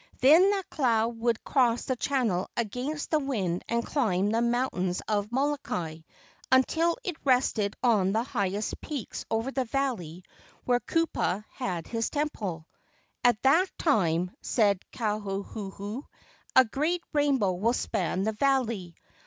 Then that cloud would cross the channel against the wind and climb the mountains of Molokai until it rested on the highest peaks over the valley where Kupa had his temple. "At that time," said Kauhuhu, "a great rainbow will span the valley.